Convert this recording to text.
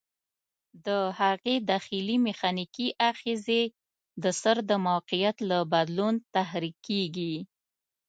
د هغې داخلي میخانیکي آخذې د سر د موقعیت له بدلون تحریکېږي.